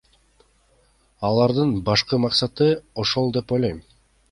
Алардын башкы максаты ошол деп ойлойм.